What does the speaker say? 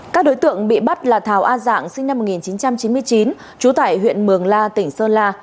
các đối tượng bị bắt là thảo a dạng sinh năm một nghìn chín trăm chín mươi chín trú tại huyện mường la tỉnh sơn la